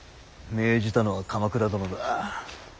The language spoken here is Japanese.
命じたのは鎌倉殿だ。